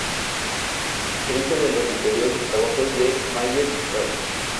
A diferencia de los anteriores trabajos de Mayer, Try!